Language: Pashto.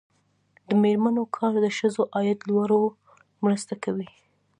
د میرمنو کار د ښځو عاید لوړولو مرسته کوي.